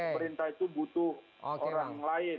perintah itu butuh orang lain